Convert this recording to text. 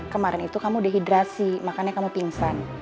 kemarin itu kamu dehidrasi makanya kamu pingsan